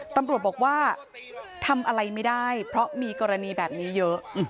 ตำรวจบอกว่าทำอะไรไม่ได้เพราะมีกรณีแบบนี้เยอะ